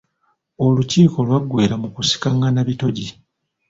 Olukiiko lw’aggweera mu kusikaղղana bitogi.